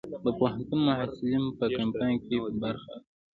د پوهنتون محصلین په کمپاین کې برخه اخلي؟